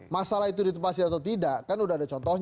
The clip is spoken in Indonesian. masalah itu ditepasi atau tidak kan tidak ada perbedaan